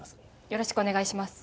よろしくお願いします。